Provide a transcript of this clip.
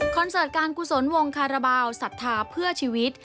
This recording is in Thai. เสิร์ตการกุศลวงคาราบาลศรัทธาเพื่อชีวิต